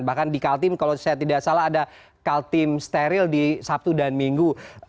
bahkan di kaltim kalau saya tidak salah ada kaltim steril di sabtu dan minggu